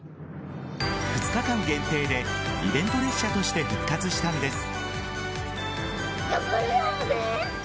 ２日間限定でイベント列車として復活したんです。